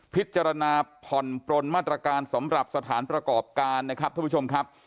พิจารณาผ่อนปลนมาตรการสำหรับสถานประกอบการนะครับท่านผู้ชมครับ